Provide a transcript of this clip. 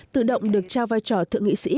tự động được trao vai trò thượng nghị sĩ